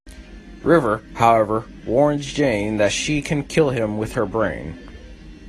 River, however, warns Jayne that she can kill him with her brain.